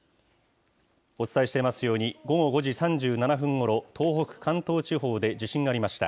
お伝えしていますように、午後５時３７分ごろ、東北、関東地方で地震がありました。